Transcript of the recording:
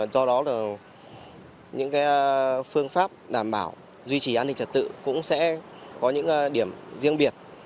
do đó là những phương pháp đảm bảo duy trì an ninh trật tự cũng sẽ có những điểm riêng biệt